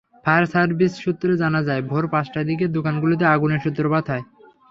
Fire service সূত্রে জানা যায়, ভোর পাঁচটার দিকে দোকানগুলোতে আগুনের সূত্রপাত হয়।